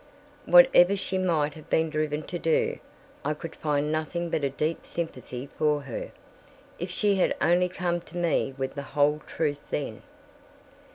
Whatever she might have been driven to do, I could find nothing but a deep sympathy for her. If she had only come to me with the whole truth then!